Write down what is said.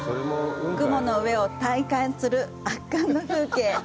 雲の上を体感する圧巻の風景。